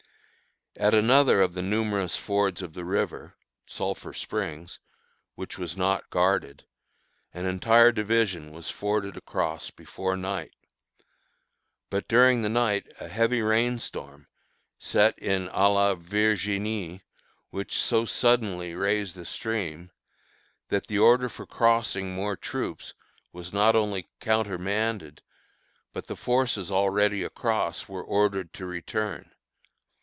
At another of the numerous fords of the river (Sulphur Springs), which was not guarded, an entire division was forded across before night. But during the night a heavy rain storm set in à la Virginie, which so suddenly raised the stream, that the order for crossing more troops was not only countermanded, but the forces already across were ordered to return.